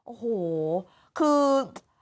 โอ้โหคือ